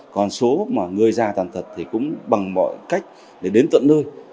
còn số người già tàn thật thì cũng bằng mọi cách để đến tận nơi